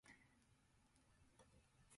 札苅駅